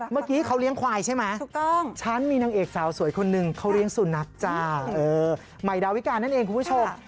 เมื่อกี้เขาเลี้ยงควายใช่ไหมฉันมีนางเอกสาวสวยคนหนึ่งเขาเลี้ยงสุนัขจ้าใหม่ดาวิกานั่นเองคุณผู้ชม